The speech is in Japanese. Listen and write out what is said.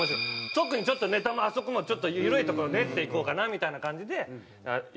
特にネタのあそこのちょっと緩いところ練っていこうかなみたいな感じでやってた。